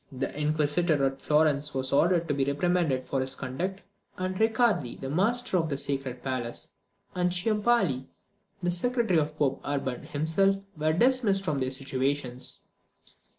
The inquisitor at Florence was ordered to be reprimanded for his conduct; and Riccardi, the master of the sacred palace, and Ciampoli, the secretary of Pope Urban himself, were dismissed from their situations.